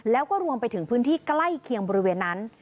แล้วก็รวมไปถึงพื้นที่ใกล้เคียงบริเวณนั้น